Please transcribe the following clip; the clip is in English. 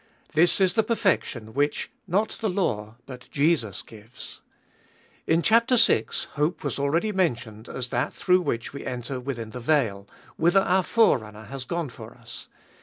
This is the perfection which, not the law, but Jesus gives. In chap. vi. hope was already men tioned as that through which we enter within the veil, whither our Forerunner has gone for us.